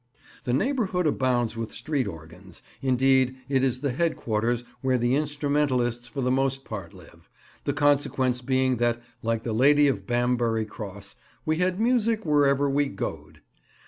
The neighbourhood abounds with street organs; indeed, it is the head quarters where the instrumentalists for the most part live, the consequence being that, like the lady of Bambury Cross, we had music wherever we "goed."